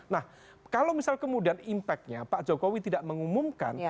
nah kalau misal kemudian impactnya pak jokowi tidak mengumumkan